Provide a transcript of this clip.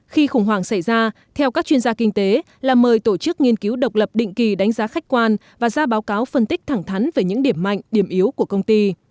khi khủng hoảng xảy ra theo các chuyên gia kinh tế là mời tổ chức nghiên cứu độc lập định kỳ đánh giá khách quan và ra báo cáo phân tích thẳng thắn về những điểm mạnh điểm yếu của công ty